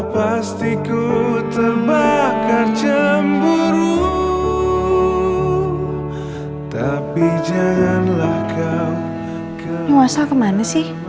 kau mau berjalan ke mana